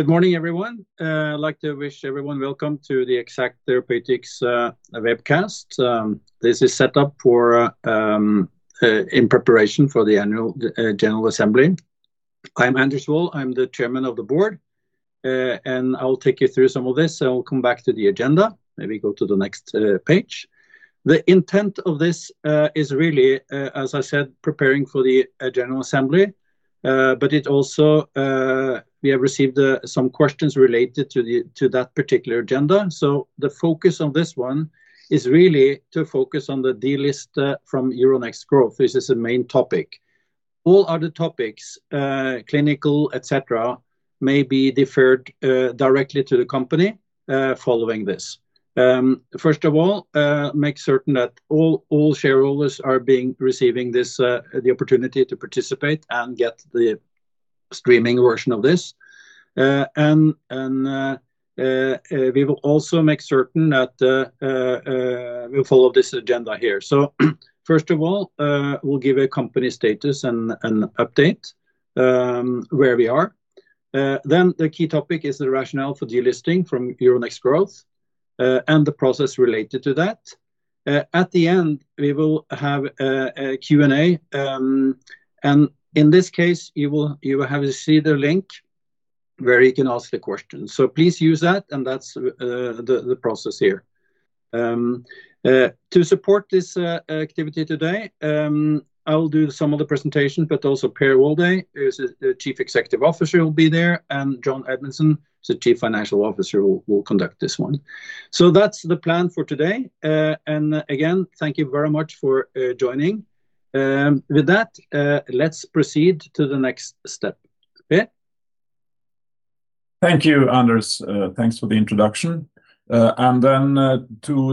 Good morning, everyone. I'd like to wish everyone welcome to the EXACT Therapeutics webcast. This is set up in preparation for the annual general assembly. I'm Anders Wold, I'm the Chairman of the Board, and I will take you through some of this. I will come back to the agenda. Maybe go to the next page. The intent of this is really, as I said, preparing for the general assembly. Also, we have received some questions related to that particular agenda. The focus on this one is really to focus on the delist from Euronext Growth. This is the main topic. All other topics, clinical, et cetera, may be deferred directly to the company following this. First of all, make certain that all shareholders are receiving the opportunity to participate and get the streaming version of this. We will also make certain that we'll follow this agenda here. First of all, we'll give a company status and update where we are. The key topic is the rationale for delisting from Euronext Growth, and the process related to that. At the end, we will have a Q&A. In this case, you will have Slido link where you can ask the questions. Please use that, and that's the process here. To support this activity today, I'll do some of the presentation, but also Per Walday, who's the Chief Executive Officer will be there, and John Edminson, the Chief Financial Officer, will conduct this one. That's the plan for today. Again, thank you very much for joining. With that, let's proceed to the next step. Per. Thank you, Anders. Thanks for the introduction. To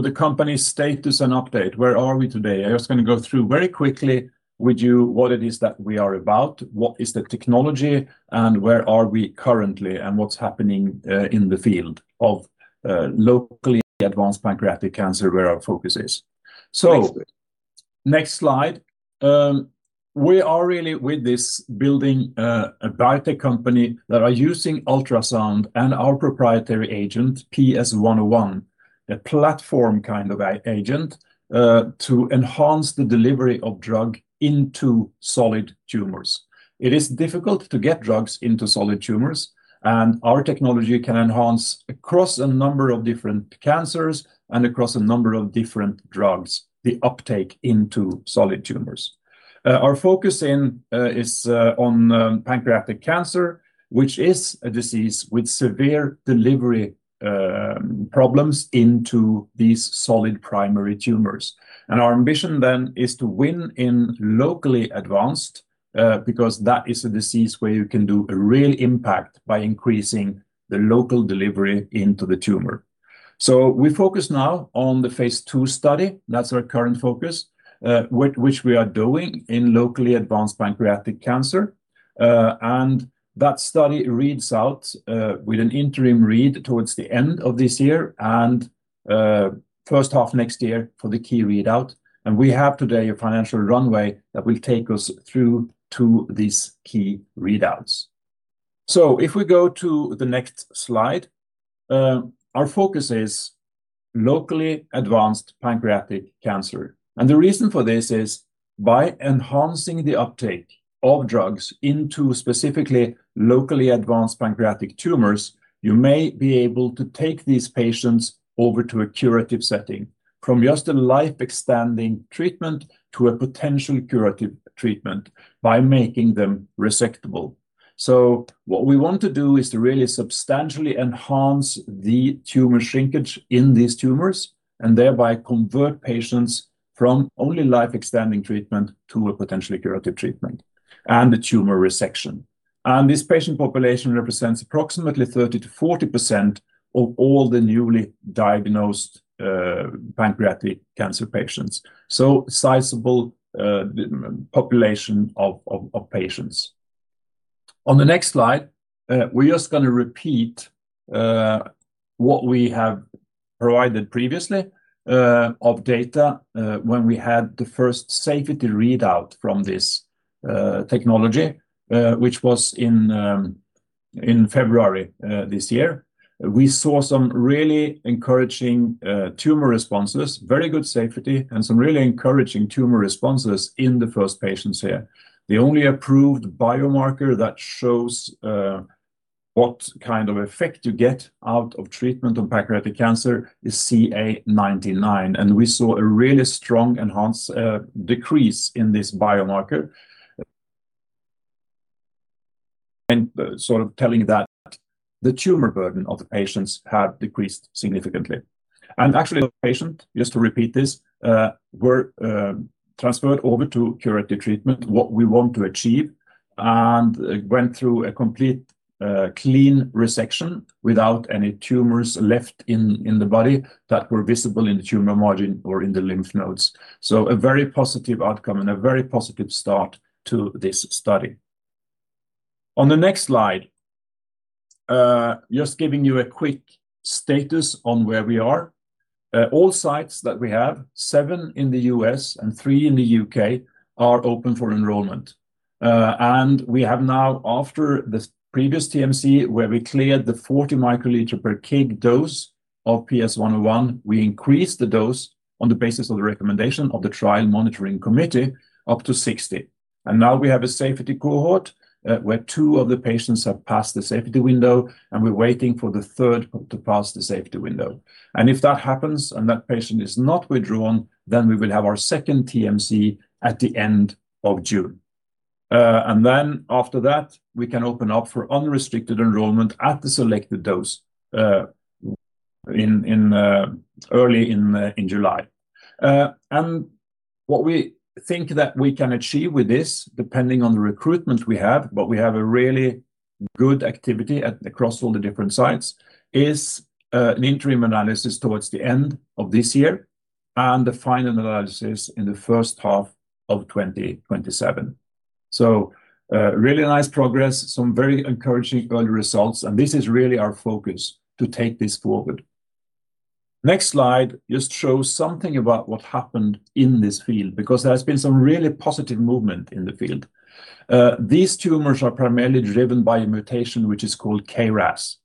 the company status and update, where are we today? I'm just going to go through very quickly with you what it is that we are about, what is the technology, and where are we currently, and what's happening in the field of locally advanced pancreatic cancer where our focus is. Next slide. We are really with this building a biotech company that are using ultrasound and our proprietary agent, PS101, a platform kind of agent, to enhance the delivery of drug into solid tumors. It is difficult to get drugs into solid tumors, and our technology can enhance across a number of different cancers and across a number of different drugs, the uptake into solid tumors. Our focus is on pancreatic cancer, which is a disease with severe delivery problems into these solid primary tumors. Our ambition then is to win in locally advanced, because that is a disease where you can do a real impact by increasing the local delivery into the tumor. We focus now on the phase II study. That's our current focus, which we are doing in locally advanced pancreatic cancer. That study reads out with an interim read towards the end of this year and first half next year for the key readout. If we go to the next slide, our focus is locally advanced pancreatic cancer. The reason for this is by enhancing the uptake of drugs into specifically locally advanced pancreatic tumors, you may be able to take these patients over to a curative setting. From just a life-extending treatment to a potential curative treatment by making them resectable. What we want to do is to really substantially enhance the tumor shrinkage in these tumors, and thereby convert patients from only life-extending treatment to a potentially curative treatment and a tumor resection. This patient population represents approximately 30%-40% of all the newly diagnosed pancreatic cancer patients. Sizable population of patients. On the next slide, we're just going to repeat what we have provided previously of data when we had the first safety readout from this technology, which was in February this year. We saw some really encouraging tumor responses, very good safety, and some really encouraging tumor responses in the first patients here. The only approved biomarker that shows what kind of effect you get out of treatment of pancreatic cancer is CA19-9, we saw a really strong enhanced decrease in this biomarker and sort of telling that the tumor burden of the patients had decreased significantly. Actually, the patient, just to repeat this, were transferred over to curative treatment, what we want to achieve, and went through a complete clean resection without any tumors left in the body that were visible in the tumor margin or in the lymph nodes. A very positive outcome and a very positive start to this study. On the next slide, just giving you a quick status on where we are. All sites that we have, seven in the U.S. and three in the U.K., are open for enrollment. We have now, after this previous TMC where we cleared the 40 mL/kg dose of PS101, we increased the dose on the basis of the recommendation of the trial monitoring committee up to 60. Now we have a safety cohort where two of the patients have passed the safety window, and we're waiting for the third to pass the safety window. If that happens and that patient is not withdrawn, we will have our second TMC at the end of June. After that, we can open up for unrestricted enrollment at the selected dose early in July. What we think that we can achieve with this, depending on the recruitment we have, but we have a really good activity across all the different sites, is an interim analysis towards the end of this year and the final analysis in the first half of 2027. Really nice progress, some very encouraging early results, and this is really our focus to take this forward. Next slide just shows something about what happened in this field, because there has been some really positive movement in the field. These tumors are primarily driven by a mutation which is called KRAS,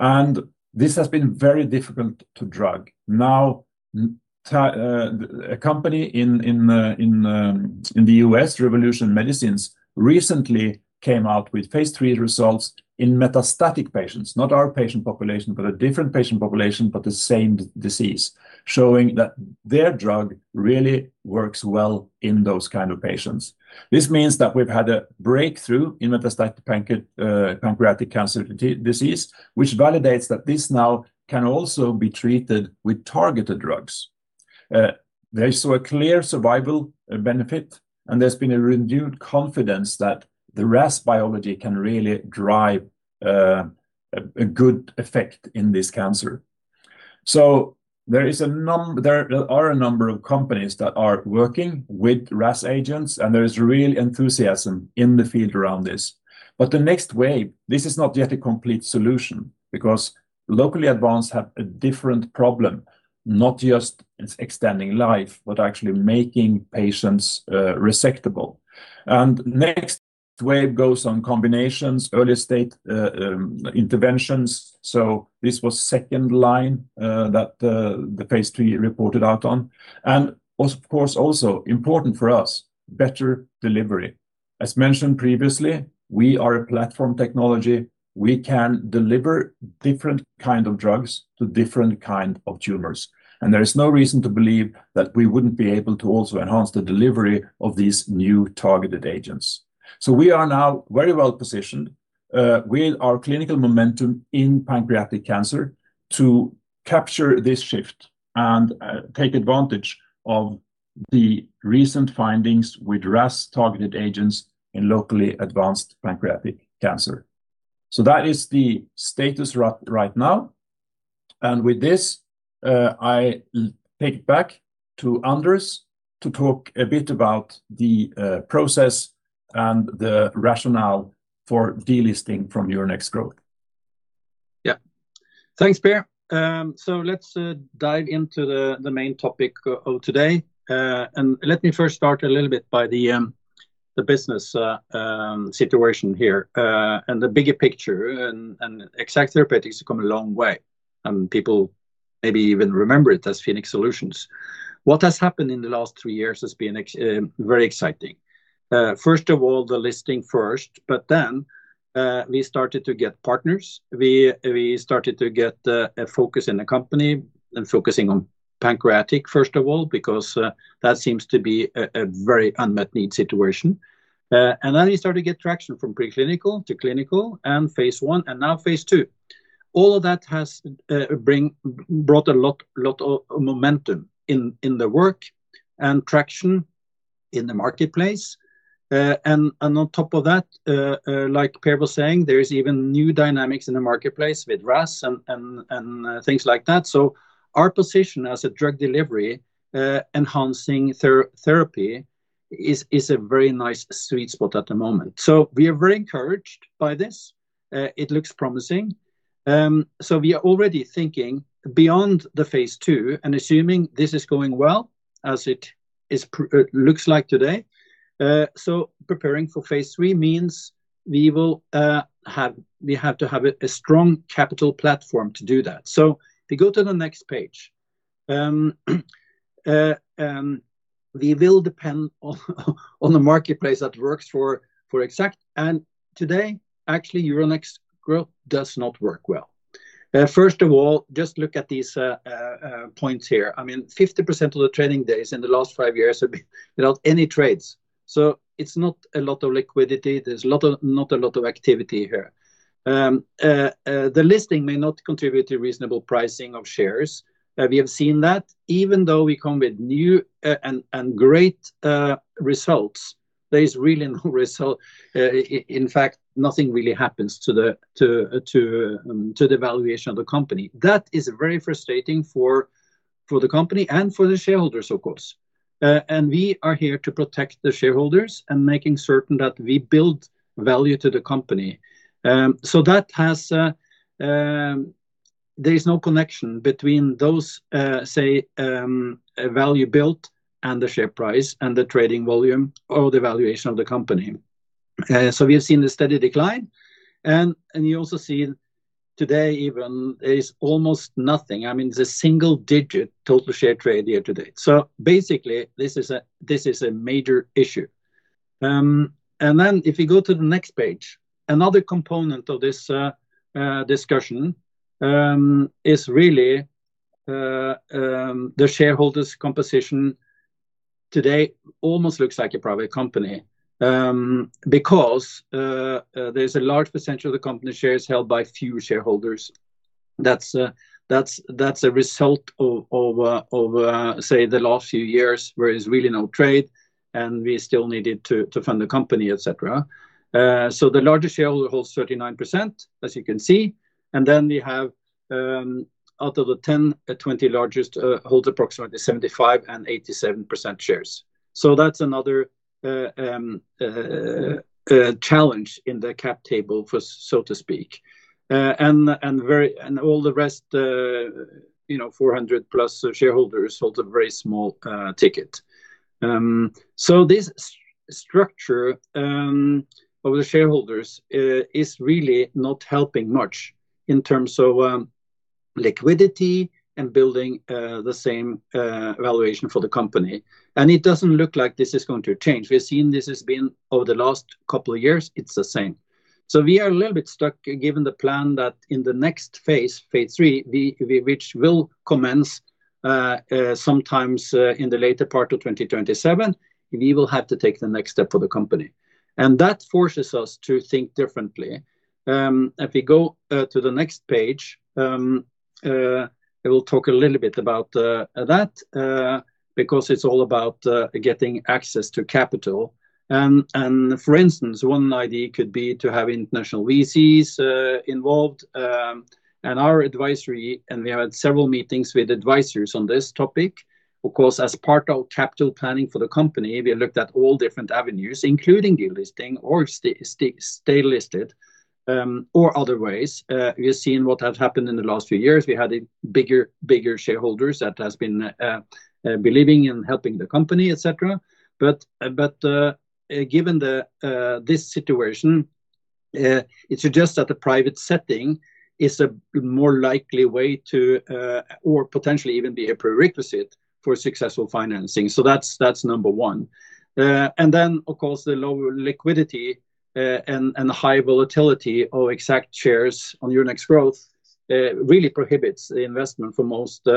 and this has been very difficult to drug. A company in the U.S., Revolution Medicines, recently came out with phase III results in metastatic patients. Not our patient population, but a different patient population, but the same disease, showing that their drug really works well in those kind of patients. This means that we've had a breakthrough in metastatic pancreatic cancer disease, which validates that this now can also be treated with targeted drugs. There's been a renewed confidence that the RAS biology can really drive a good effect in this cancer. There are a number of companies that are working with RAS agents, and there is real enthusiasm in the field around this. The next wave, this is not yet a complete solution, because locally advanced have a different problem, not just extending life, but actually making patients resectable. Next wave goes on combinations, early-stage interventions. This was second line that the phase III reported out on. Of course, also important for us, better delivery. As mentioned previously, we are a platform technology. We can deliver different kind of drugs to different kind of tumors. There is no reason to believe that we wouldn't be able to also enhance the delivery of these new targeted agents. We are now very well positioned with our clinical momentum in pancreatic cancer to capture this shift and take advantage of the recent findings with RAS-targeted agents in locally advanced pancreatic cancer. That is the status right now. With this, I take it back to Anders to talk a bit about the process and the rationale for delisting from Euronext Growth. Yeah. Thanks, Per. Let's dive into the main topic of today. Let me first start a little bit by the business situation here and the bigger picture and EXACT Therapeutics has come a long way, and people maybe even remember it as Phoenix Solutions. What has happened in the last three years has been very exciting. First of all, the listing first, we started to get partners. We started to get a focus in the company and focusing on pancreatic, first of all, because that seems to be a very unmet need situation. We started to get traction from preclinical to clinical and phase I and now phase II. All of that has brought a lot of momentum in the work and traction in the marketplace. On top of that, like Per was saying, there is even new dynamics in the marketplace with RAS and things like that. Our position as a drug delivery enhancing therapy is a very nice sweet spot at the moment. We are very encouraged by this. It looks promising. We are already thinking beyond the phase II and assuming this is going well as it looks like today. Preparing for phase III means we have to have a strong capital platform to do that. We go to the next page. We will depend on the marketplace that works for EXACT. Today, actually, Euronext Growth does not work well. First of all, just look at these points here. I mean, 50% of the trading days in the last five years have been without any trades. It's not a lot of liquidity. There's not a lot of activity here. The listing may not contribute to reasonable pricing of shares. We have seen that even though we come with new and great results, there is really no result. In fact, nothing really happens to the valuation of the company. That is very frustrating for the company and for the shareholders, of course. We are here to protect the shareholders and making certain that we build value to the company. There is no connection between those, say, value built and the share price and the trading volume or the valuation of the company. We have seen a steady decline, and you also see today even there is almost nothing. It's a single-digit total share trade year-to-date. Basically, this is a major issue. If you go to the next page, another component of this discussion is really the shareholders composition today almost looks like a private company, because there's a large percentage of the company shares held by few shareholders. That's a result of, say, the last few years where there's really no trade, and we still needed to fund the company, et cetera. The largest shareholder holds 39%, as you can see. We have, out of the 10, 20 largest, hold approximately 75% and 87% shares. That's another challenge in the cap table, so to speak. All the rest 400 plus shareholders hold a very small ticket. This structure of the shareholders is really not helping much in terms of liquidity and building the same valuation for the company. It doesn't look like this is going to change. We have seen this has been over the last couple of years, it's the same. We are a little bit stuck given the plan that in the next phase III, which will commence sometimes in the later part of 2027, we will have to take the next step for the company. That forces us to think differently. If we go to the next page, it will talk a little bit about that, because it's all about getting access to capital. For instance, one idea could be to have international VCs involved, and our advisory, and we have had several meetings with advisors on this topic. Of course, as part of capital planning for the company, we looked at all different avenues, including delisting or stay listed, or other ways. We have seen what has happened in the last few years. We had a bigger shareholders that has been believing in helping the company, et cetera. Given this situation, it suggests that the private setting is a more likely way to or potentially even be a prerequisite for successful financing. That's number one. Of course, the lower liquidity and the high volatility of EXACT shares on Euronext Growth really prohibits the investment for most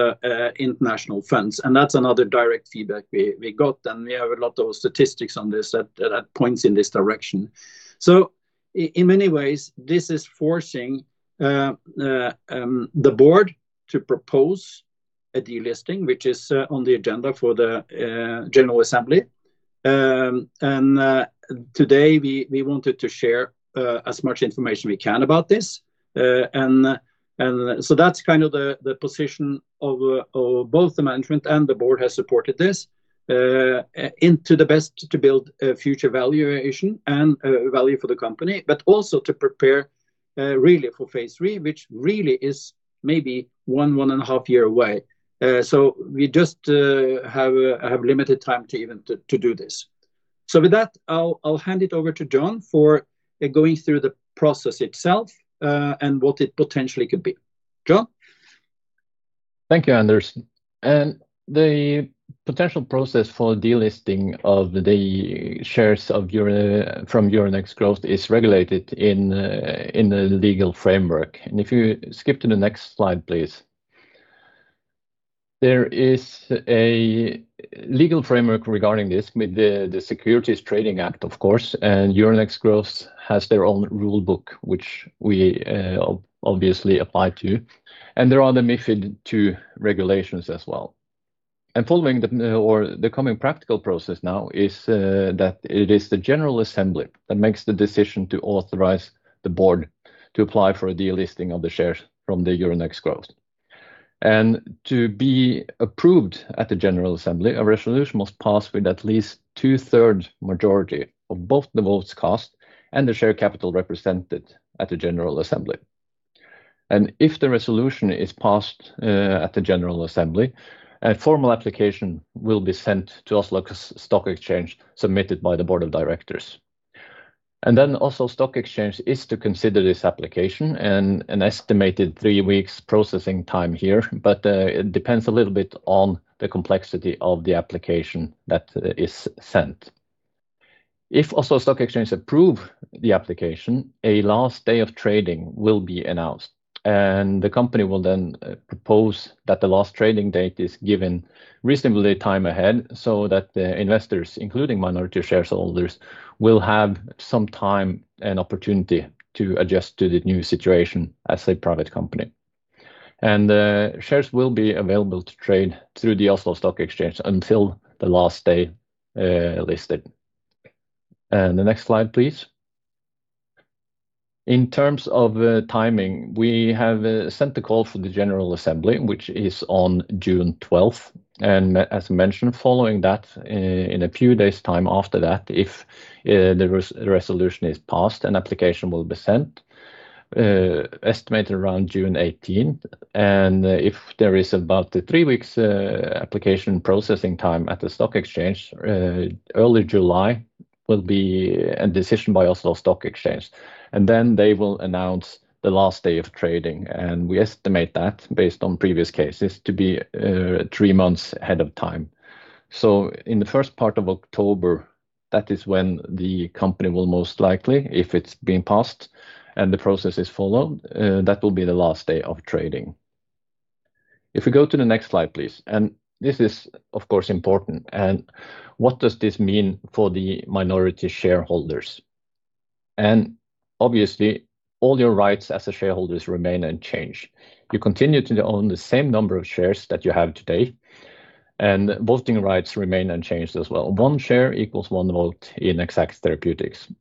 international funds. That's another direct feedback we got, and we have a lot of statistics on this that points in this direction. In many ways, this is forcing the board to propose a delisting, which is on the agenda for the general assembly. Today we wanted to share as much information we can about this. That's kind of the position of both the management and the board has supported this into the best to build a future valuation and value for the company, but also to prepare really for phase III, which really is maybe one and a half years away. We just have limited time to even to do this. With that, I'll hand it over to John for going through the process itself, and what it potentially could be. John. Thank you, Anders. The potential process for delisting of the shares from Euronext Growth is regulated in the legal framework. If you skip to the next slide, please. There is a legal framework regarding this with the Securities Trading Act, of course, and Euronext Growth has their own rule book, which we obviously apply to. There are the MiFID II regulations as well. Following the coming practical process now is that it is the general assembly that makes the decision to authorize the board to apply for a delisting of the shares from the Euronext Growth. To be approved at the general assembly, a resolution must pass with at least two-third majority of both the votes cast and the share capital represented at the general assembly. If the resolution is passed at the general assembly, a formal application will be sent to Oslo Stock Exchange submitted by the board of directors. Oslo Stock Exchange is to consider this application in an estimated three weeks processing time here, but it depends a little bit on the complexity of the application that is sent. If Oslo Stock Exchange approve the application, a last day of trading will be announced, and the company will then propose that the last trading date is given reasonably time ahead so that the investors, including minority shareholders, will have some time and opportunity to adjust to the new situation as a private company. Shares will be available to trade through the Oslo Stock Exchange until the last day listed. The next slide, please. In terms of timing, we have sent the call for the general assembly, which is on June 12. As mentioned, following that, in a few days time after that, if the resolution is passed, an application will be sent, estimated around June 18. If there is about three weeks application processing time at the stock exchange, early July will be a decision by Oslo Stock Exchange. They will announce the last day of trading. We estimate that, based on previous cases, to be three months ahead of time. In the first part of October, that is when the company will most likely, if it's been passed and the process is followed, that will be the last day of trading. If we go to the next slide, please. This is, of course, important. What does this mean for the minority shareholders? Obviously, all your rights as the shareholders remain unchanged. You continue to own the same number of shares that you have today. Voting rights remain unchanged as well. One share equals one vote in EXACT Therapeutics.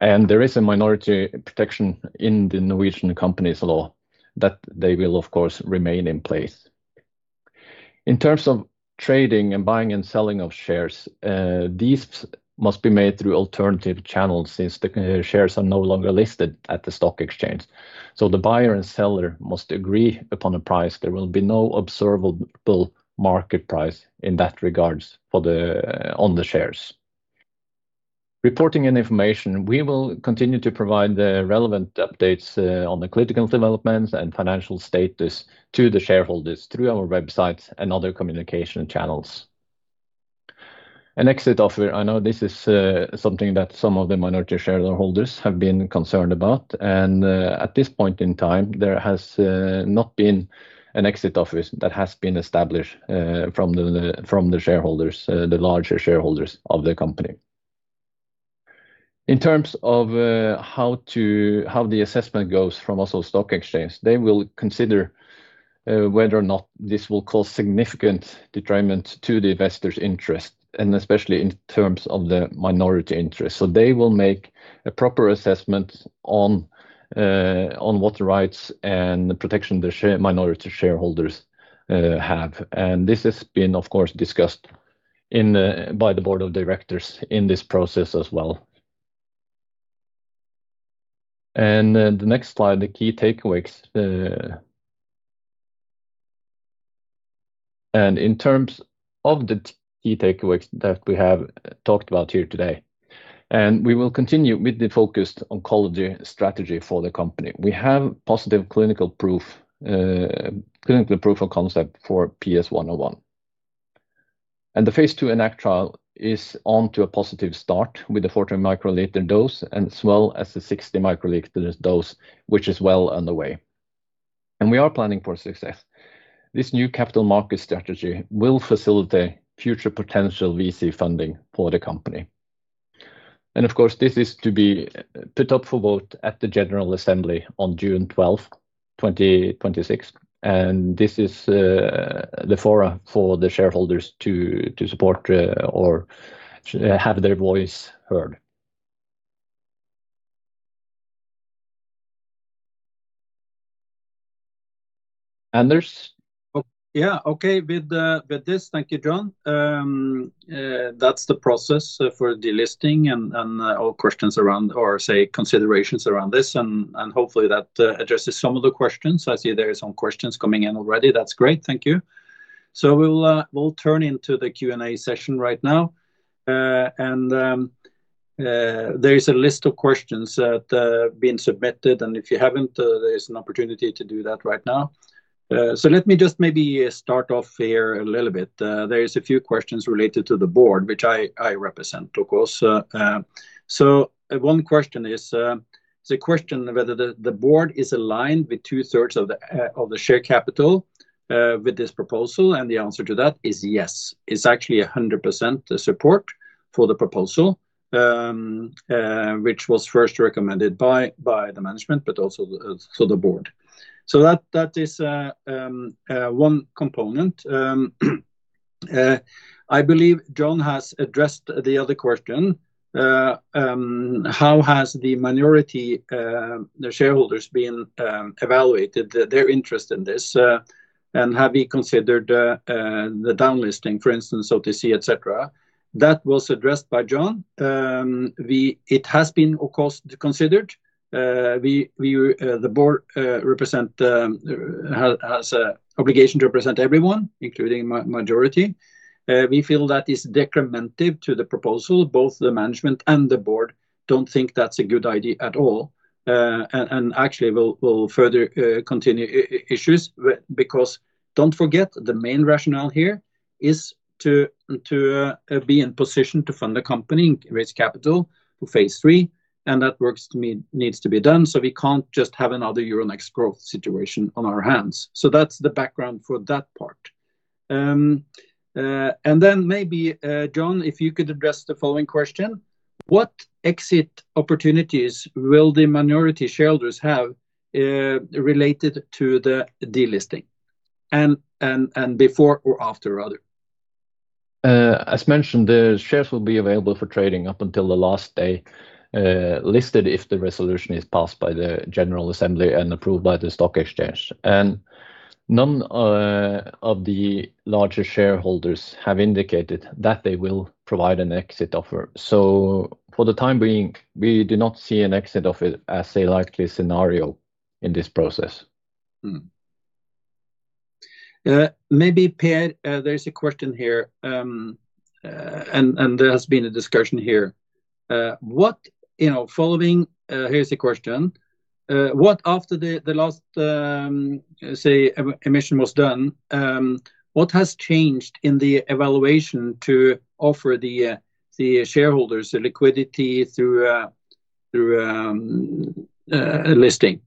There is a minority protection in the Norwegian company's law that they will, of course, remain in place. In terms of trading and buying and selling of shares, these must be made through alternative channels since the shares are no longer listed at the stock exchange. The buyer and seller must agree upon a price. There will be no observable market price in that regards on the shares. Reporting and information, we will continue to provide the relevant updates on the clinical developments and financial status to the shareholders through our website and other communication channels. An exit offer, I know this is something that some of the minority shareholders have been concerned about. At this point in time, there has not been an exit offer that has been established from the shareholders, the larger shareholders of the company. In terms of how the assessment goes from Oslo Stock Exchange, they will consider whether or not this will cause significant detriment to the investors' interest, especially in terms of the minority interest. They will make a proper assessment on what rights and protection the minority shareholders have. This has been, of course, discussed by the board of directors in this process as well. The next slide, the key takeaways. In terms of the key takeaways that we have talked about here today, and we will continue with the focused oncology strategy for the company. We have positive clinical proof of concept for PS101. The phase II ENACT trial is on to a positive start with the 40 mL dose as well as the 60 mL dose, which is well underway. We are planning for success. This new capital market strategy will facilitate future potential VC funding for the company. Of course, this is to be put up for vote at the general assembly on June 12th, 2026, and this is the fora for the shareholders to support or have their voice heard. Anders? Okay. With this, thank you, John. That's the process for delisting and all questions around or, say, considerations around this, and hopefully that addresses some of the questions. I see there is some questions coming in already. That's great. Thank you. We'll turn into the Q&A session right now. There is a list of questions that have been submitted, and if you haven't, there is an opportunity to do that right now. Let me just maybe start off here a little bit. There is a few questions related to the board, which I represent, of course. One question is the question of whether the board is aligned with 2/3 of the share capital with this proposal, and the answer to that is yes. It's actually 100% the support for the proposal, which was first recommended by the management, but also the board. That is one component. I believe John has addressed the other question, how has the minority shareholders been evaluated, their interest in this, and have you considered the down listing, for instance, OTC, et cetera? That was addressed by John. It has been, of course, considered. The Board has an obligation to represent everyone, including majority. We feel that is detrimental to the proposal. Both the management and the Board don't think that's a good idea at all, and actually will further continue issues because don't forget, the main rationale here is to be in position to fund the company and raise capital for phase III, and that work needs to be done, so we can't just have another Euronext Growth situation on our hands. That's the background for that part. Maybe, John, if you could address the following question. What exit opportunities will the minority shareholders have related to the delisting and before or after rather? As mentioned, the shares will be available for trading up until the last day listed if the resolution is passed by the general assembly and approved by the Stock Exchange. None of the larger shareholders have indicated that they will provide an exit offer. For the time being, we do not see an exit offer as a likely scenario in this process. Maybe, Per, there's a question here. There has been a discussion here. Here is the question. After the last emission was done, what has changed in the evaluation to offer the shareholders liquidity through a listing?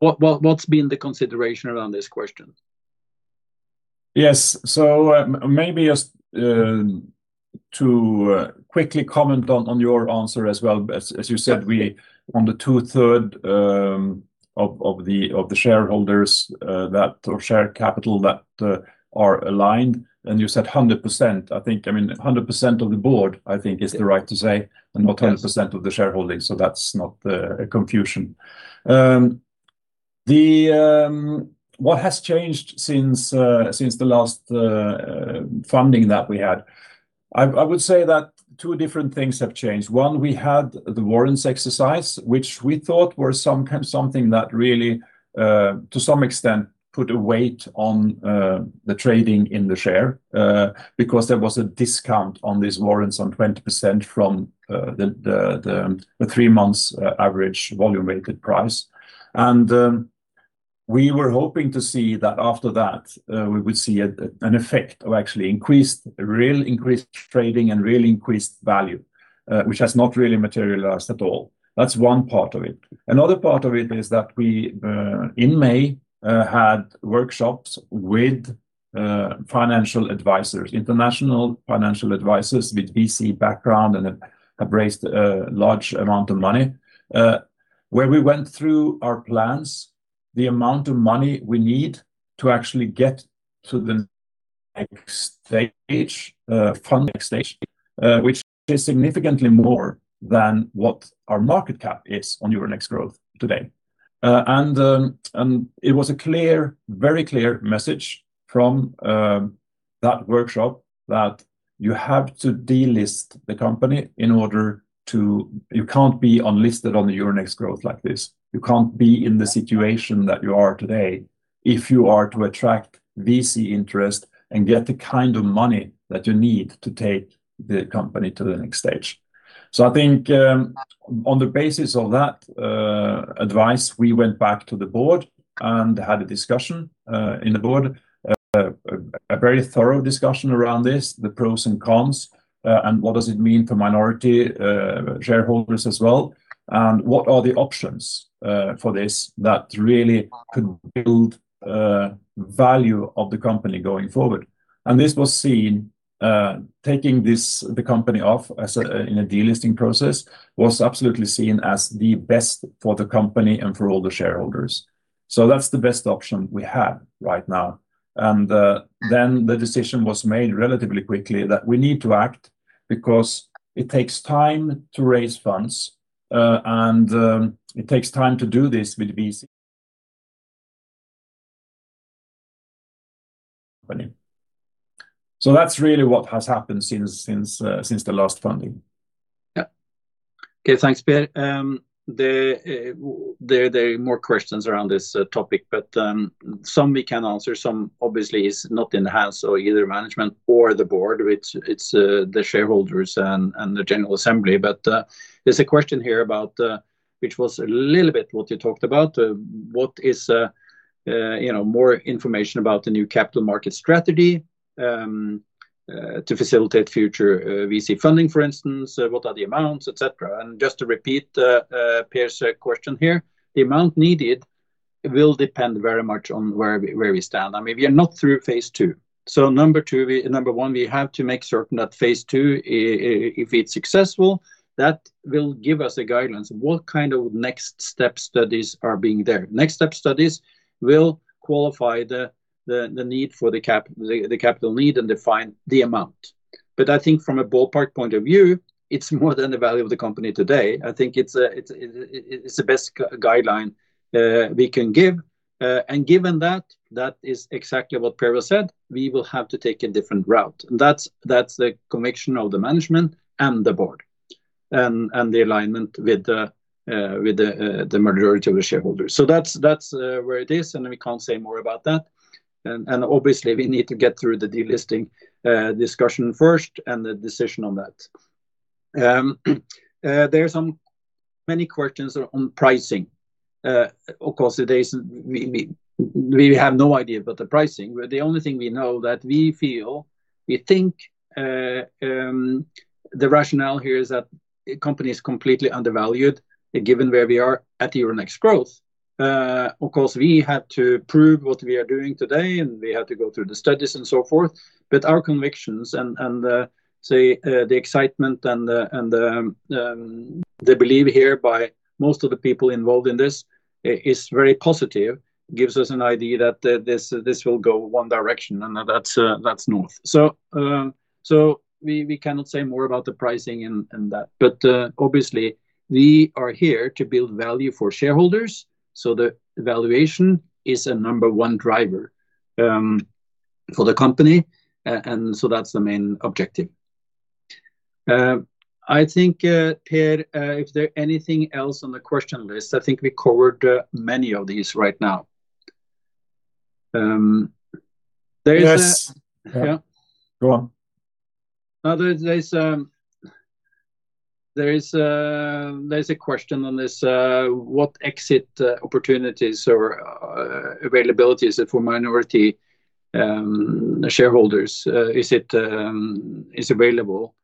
What has been the consideration around this question? Yes. Maybe just to quickly comment on your answer as well. As you said, we own the 2/3 of the shareholders or share capital that are aligned, and you said 100%. I think 100% of the board, I think is the right to say, and not 100% of the shareholding. That's not a confusion. What has changed since the last funding that we had? I would say that two different things have changed. One, we had the warrants exercise, which we thought was something that really, to some extent, put a weight on the trading in the share, because there was a discount on these warrants on 20% from the three months average volume weighted price. We were hoping to see that after that, we would see an effect of actually increased real increased trading and real increased value, which has not really materialized at all. That's one part of it. Another part of it is that we, in May, had workshops with financial advisors, international financial advisors with VC background and have raised a large amount of money, where we went through our plans, the amount of money we need to actually get to the next stage, fund next stage, which is significantly more than what our market cap is on Euronext Growth today. It was a very clear message from that workshop that you have to delist the company. You can't be unlisted on the Euronext Growth like this. You can't be in the situation that you are today if you are to attract VC interest and get the kind of money that you need to take the company to the next stage. I think on the basis of that advice, we went back to the board and had a discussion in the board, a very thorough discussion around this, the pros and cons, and what does it mean for minority shareholders as well, and what are the options for this that really could build value of the company going forward. This was seen, taking the company off in a delisting process was absolutely seen as the best for the company and for all the shareholders. That's the best option we have right now. Then the decision was made relatively quickly that we need to act because it takes time to raise funds, and it takes time to do this with VC. That's really what has happened since the last funding. Yeah. Okay, thanks, Per. Some we can answer. Some obviously is not in the house or either management or the board. It's the shareholders and the general assembly. There's a question here which was a little bit what you talked about. More information about the new capital market strategy to facilitate future VC funding, for instance, what are the amounts, et cetera. Just to repeat Per's question here, the amount needed will depend very much on where we stand. I mean, we are not through phase II. Number one, we have to make certain that phase II, if it's successful, that will give us a guidance what kind of next step studies are being there. Next step studies will qualify the capital need and define the amount. I think from a ballpark point of view, it's more than the value of the company today. I think it's the best guideline we can give. Given that is exactly what Per said, we will have to take a different route. That's the conviction of the management and the board and the alignment with the majority of the shareholders. That's where it is, and we can't say more about that. Obviously, we need to get through the delisting discussion first and the decision on that. There are many questions on pricing. Of course, we have no idea about the pricing. The only thing we know that we feel, we think the rationale here is that the company is completely undervalued given where we are at the Euronext Growth. Of course, we had to prove what we are doing today, and we had to go through the studies and so forth. Our convictions and the excitement and the belief here by most of the people involved in this is very positive. Gives us an idea that this will go one direction, and that's north. We cannot say more about the pricing and that. Obviously, we are here to build value for shareholders. The valuation is a number one driver for the company. That's the main objective. I think, Per, if there is anything else on the question list, I think we covered many of these right now. Yes. Yeah. Go on. There is a question on this. What exit opportunities or availability is it for minority shareholders? Is it available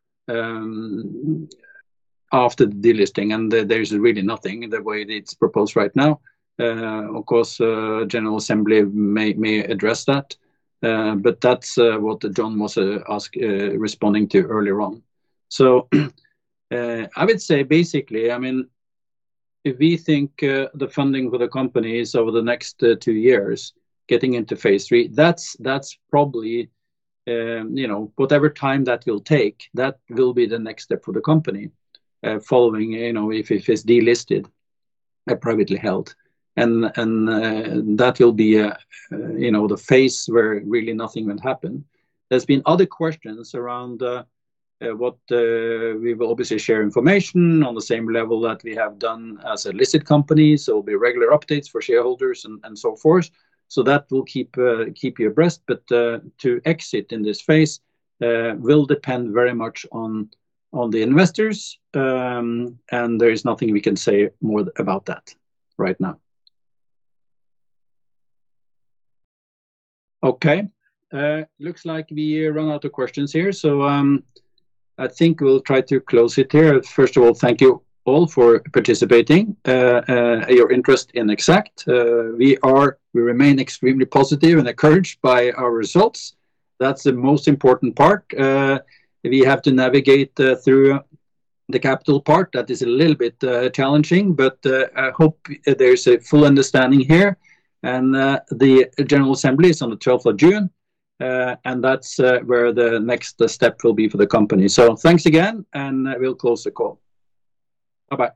after delisting? There's really nothing the way it's proposed right now. Of course, general assembly may address that. That's what John was responding to earlier on. I would say basically, if we think the funding for the company is over the next two years, getting into Phase III, that's probably whatever time that will take, that will be the next step for the company, following if it's delisted privately held. That will be the phase where really nothing will happen. There's been other questions around what we will obviously share information on the same level that we have done as a listed company, so there'll be regular updates for shareholders and so forth. That will keep you abreast, but to exit in this phase will depend very much on the investors. There is nothing we can say more about that right now. Okay. Looks like we ran out of questions here. I think we'll try to close it here. First of all, thank you all for participating, your interest in EXACT. We remain extremely positive and encouraged by our results. That's the most important part. We have to navigate through the capital part. That is a little bit challenging, but I hope there's a full understanding here, and the general assembly is on the 12th of June, and that's where the next step will be for the company. Thanks again, and we'll close the call. Bye-bye.